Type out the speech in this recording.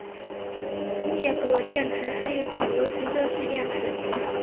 镍镉电池是一种流行的蓄电池。